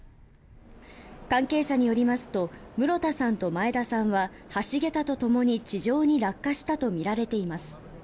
関係者によりますと室田さんと前田さんは橋桁とともに地上に落下したとみられています。